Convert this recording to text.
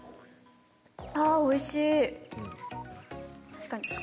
あおいしい。